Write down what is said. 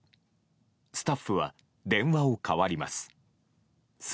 スタッフは電話を代わります。